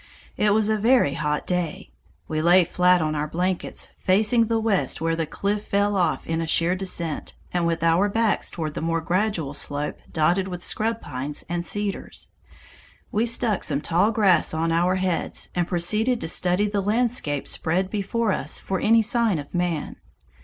It was a very hot day. We lay flat on our blankets, facing the west where the cliff fell off in a sheer descent, and with our backs toward the more gradual slope dotted with scrub pines and cedars. We stuck some tall grass on our heads and proceeded to study the landscape spread before us for any sign of man.